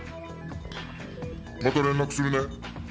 「また連絡するね」